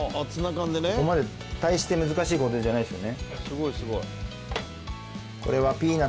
そこまで大して難しい工程じゃないですよね。